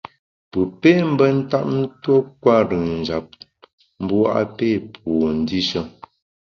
Pù pé mbe ntap tuo kwer-ùn njap, mbu a pé pu ndishe.